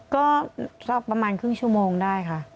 ก็สักประมาณครึ่งชั่วโมงได้ค่ะ